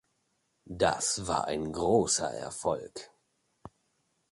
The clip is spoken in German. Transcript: Das war ein großer Erfolg.